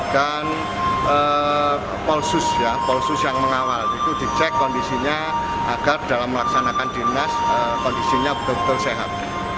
polsus ya polsus yang mengawal itu dicek kondisinya agar dalam melaksanakan dinas kondisinya betul betul sehat